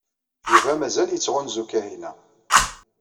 Yuba mazal yettɣunzu Kahina.